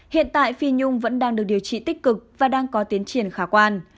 hiện tại phi nhung vẫn đang được điều trị tích cực và đang có tiến triển khả quan